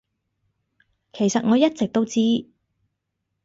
其實我一直都知